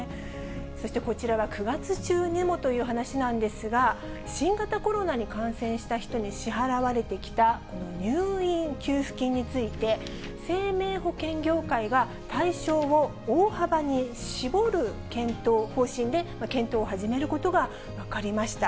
そしてこちらは９月中にもという話なんですが、新型コロナに感染した人に支払われてきた、この入院給付金について、生命保険業界が対象を大幅に絞る検討、方針で、検討を始めることが分かりました。